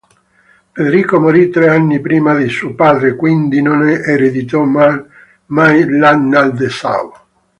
Federico morì tre anni prima di suo padre, quindi non ereditò mai l'Anhalt-Dessau.